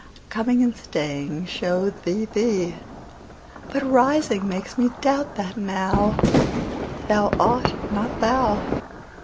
Coming and staying show'd thee thee; But rising makes me doubt that nowThou art not thou.